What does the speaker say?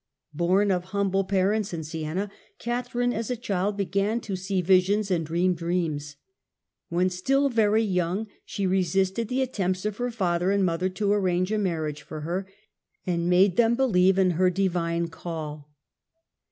Born of humble parents in Siena, Catherine as a child began to see visions and dream dreams. When still very young, she resisted the at tempts of her father and mother to arrange a marriage for her and made them believe in her divine call.